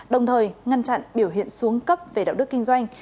đồng thời ngăn chặn biểu hiện xuống cấp về đạo đức kinh doanh